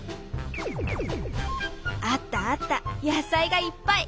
あったあった野菜がいっぱい！